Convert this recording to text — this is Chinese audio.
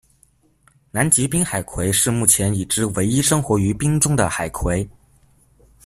南极冰海葵是目前已知唯一生活于冰中的海葵。